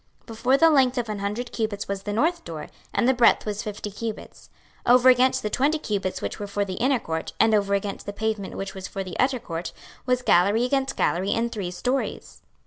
26:042:002 Before the length of an hundred cubits was the north door, and the breadth was fifty cubits. 26:042:003 Over against the twenty cubits which were for the inner court, and over against the pavement which was for the utter court, was gallery against gallery in three stories.